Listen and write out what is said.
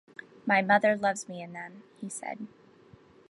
“My mother loves me in them,” he said.